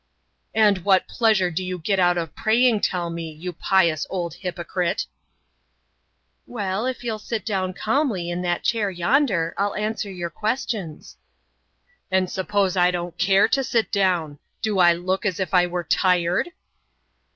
"And what pleasure do you get out of praying, tell me, you pious old hypocrite!" "Well, if you'll sit down calmly in that chair yonder, I'll answer your questions." "And suppose I don't care to sit down! Do I look as if I were tired?"